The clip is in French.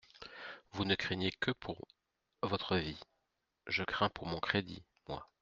Vous ne craignez que pour votre vie, je crains pour mon crédit, moi.